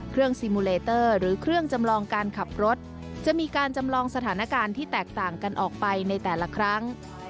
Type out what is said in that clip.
ซีมูเลเตอร์หรือเครื่องจำลองการขับรถจะมีการจำลองสถานการณ์ที่แตกต่างกันออกไปในแต่ละครั้ง